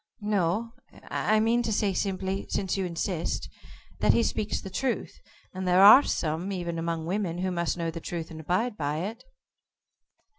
"No, I mean to say simply since you insist that he speaks the truth, and there are some even among women who must know the truth and abide by it."